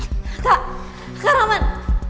kak kakak aman